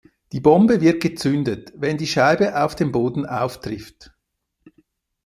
Die Bombe wird gezündet, wenn die Scheibe auf dem Boden auftrifft.